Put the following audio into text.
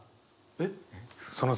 えっ？